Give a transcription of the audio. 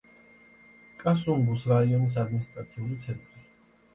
კასუნგუს რაიონის ადმინისტრაციული ცენტრი.